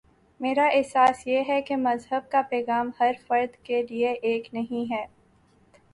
میرا احساس یہ ہے کہ مذہب کا پیغام ہر فرد کے لیے ایک نہیں ہے۔